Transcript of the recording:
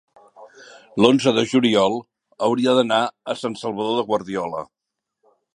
l'onze de juliol hauria d'anar a Sant Salvador de Guardiola.